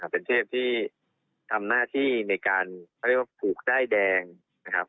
เป็นเทพที่ทำหน้าที่ในการเขาเรียกว่าผูกด้ายแดงนะครับ